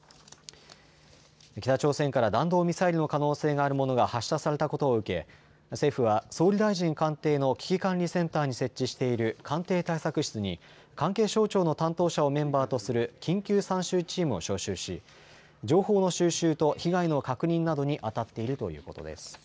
北朝鮮から弾道ミサイルの可能性があるものが発射されたことを受け、政府は総理大臣官邸の危機管理センターに設置している官邸対策室に関係省庁の担当者をメンバーとする緊急参集チームを招集し情報の収集と被害の確認などにあたっているということです。